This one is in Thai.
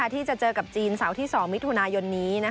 ที่จะเจอกับจีนเสาร์ที่๒มิถุนายนนี้